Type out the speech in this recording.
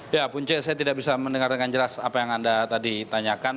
ya punca saya tidak bisa mendengar dengan jelas apa yang anda tadi tanyakan